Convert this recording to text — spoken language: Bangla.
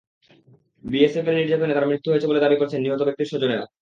বিএসএফের নির্যাতনে তাঁর মৃত্যু হয়েছে বলে দাবি করেছেন নিহত ব্যক্তির স্বজনেরা।